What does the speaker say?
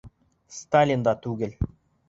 Сталин да түгел.